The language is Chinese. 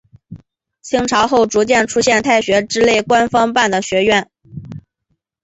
清朝后逐渐出现太学之类官方办的学校。